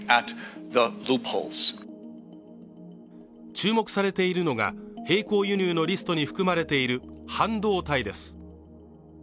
注目されているのが並行輸入のリストに含まれている半導体です